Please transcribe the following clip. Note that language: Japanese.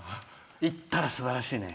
行ったらすばらしいね。